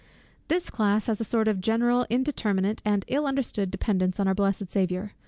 This class has a sort of general, indeterminate, and ill understood dependence on our blessed Saviour.